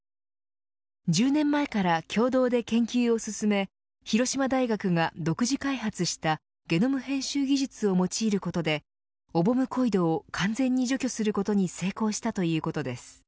１０年前から共同で研究を進め広島大学が独自開発したゲノム編集技術を用いることでオボムコイドを完全に除去することに成功したということです。